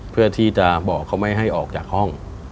เพื่อที่จะบอกเขาไม่ให้ออกจากห้อง